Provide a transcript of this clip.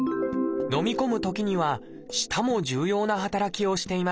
のみ込むときには舌も重要な働きをしています。